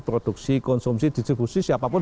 produksi konsumsi diskusi siapapun